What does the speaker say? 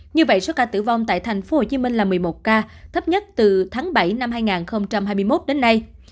như vậy số ca tử vong tại thành phố hồ chí minh là một mươi một ca thấp nhất từ tháng bảy năm hai nghìn hai mươi một đến nay